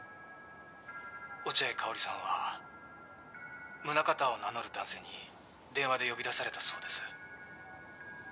「落合佳保里さんは宗形を名乗る男性に電話で呼び出されたそうです」